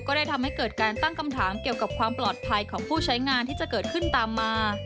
ได้ทำให้เกิดการตั้งคำถามเกี่ยวกับความปลอดภัยของผู้ใช้งานที่จะเกิดขึ้นตามมา